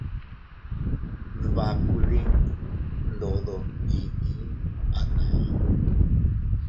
Dbakuliin ndodo yiʼi a naan.